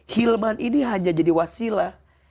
hilman ini hanya jadi wasilah